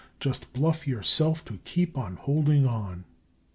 Just bluff YOURSELF to keep on holding on.